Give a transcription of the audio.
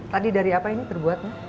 tadi dari apa ini terbuatnya